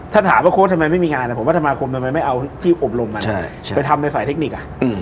ถ้าถามว่าโค้ชทำไมไม่มีงานผมว่าสมาคมทำไมไม่เอาที่อบรมมันไปทำในฝ่ายเทคนิค